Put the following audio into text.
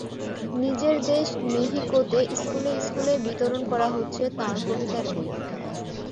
নিজের দেশ মেহিকোতে স্কুলে স্কুলে বিতরণ করা হচ্ছে তাঁর কবিতার বই।